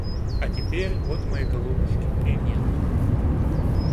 А теперь вот моей голубушки и нету.